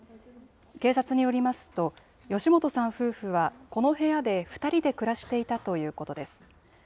警察によりますと、吉本さん夫婦はこの部屋で２人で暮らしていたということです。